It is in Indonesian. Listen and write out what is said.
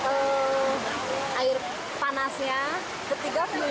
sebelum berendam air panas anaknya menikmati berendam air panas di guci